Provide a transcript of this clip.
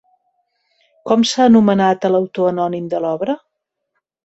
Com s'ha anomenat a l'autor anònim de l'obra?